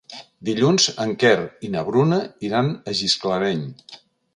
Dilluns en Quer i na Bruna iran a Gisclareny.